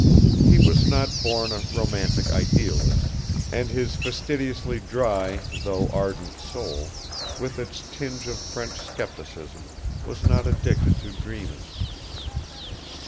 He was not born a romantic idealist, and his fastidiously dry though ardent soul, with its tinge of French scepticism, was not addicted to dreaming